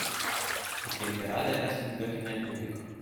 Ich bin gerade erst in Göttingen angekommen